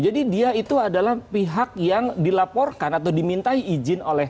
dia itu adalah pihak yang dilaporkan atau dimintai izin oleh